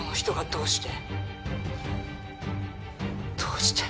どうして？